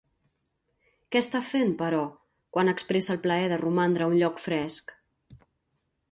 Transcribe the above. Què està fent, però, quan expressa el plaer de romandre a un lloc fresc?